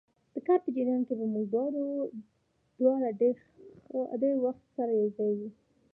د کار په جریان کې به موږ دواړه ډېر وخت سره یو ځای وو.